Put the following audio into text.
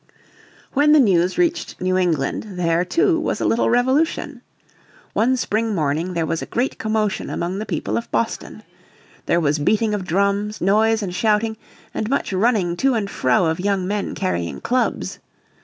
When the news reached New England there, too, was a little revolution. One spring morning there was a great commotion among the people of Boston. There was beating of drums, noise and shouting, and much running to and fro of young men carrying clubs.